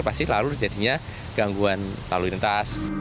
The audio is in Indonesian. pasti lalu terjadinya gangguan lalu lintas